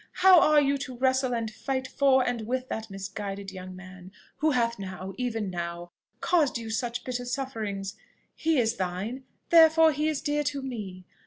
how are you to wrestle and fight for and with that misguided young man, who hath now, even now, caused you such bitter sufferings? He is thine; therefore he is dear to me.